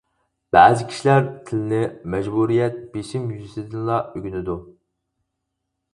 بەزى كىشىلەر تىلنى مەجبۇرىيەت، بېسىم يۈزىسىدىنلا ئۆگىنىدۇ.